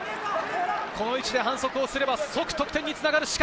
この位置で反則をすれば即得点につながる。